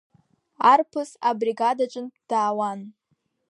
Арԥыс абригадаҿынтә даауан.